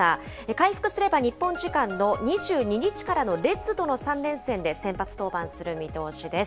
回復すれば日本時間の２２日からのレッズとの３連戦で先発登板する見通しです。